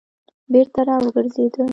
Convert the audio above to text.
بېرته را وګرځېد.